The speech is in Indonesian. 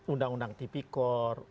undang undang di bikor